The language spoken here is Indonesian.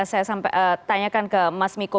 saya tanyakan ke mas miko